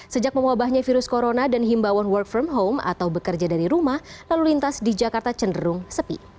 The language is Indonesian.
sejak mewabahnya virus corona dan himbawan work from home atau bekerja dari rumah lalu lintas di jakarta cenderung sepi